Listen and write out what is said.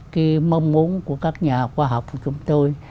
cái mong muốn của các nhà khoa học của chúng tôi